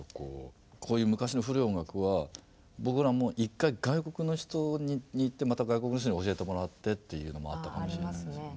こういう昔の古い音楽は僕らもう一回外国の人に行ってまた外国の人に教えてもらってっていうのもあったかもしれないですよね。